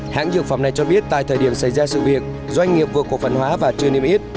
hãng dược phẩm này cho biết tại thời điểm xảy ra sự việc doanh nghiệp vừa cổ phần hóa và chưa niêm yết